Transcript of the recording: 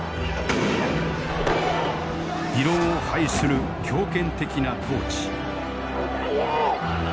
異論を排する強権的な統治。